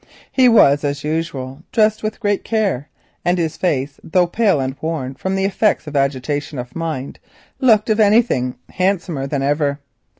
He was, as usual, dressed with great care, and his face, though white and worn from the effects of agitation of mind, looked if anything handsomer than ever.